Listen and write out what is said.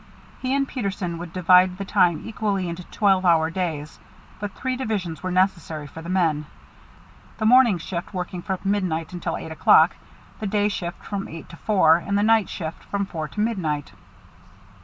He and Peterson would divide the time equally into twelve hour days; but three divisions were necessary for the men, the morning shift working from midnight until eight o'clock, the day shift from eight to four, and the night shift from four to midnight.